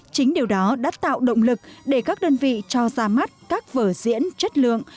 chính điều đó đã tạo động lực để các đơn vị cho ra mắt các vở diễn chất lượng